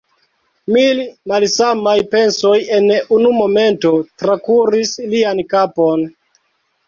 Mil malsamaj pensoj en unu momento trakuris lian kapon.